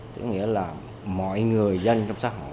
chính nghĩa là mọi người dân trong xã hội